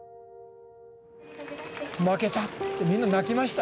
「負けた」ってみんな泣きました。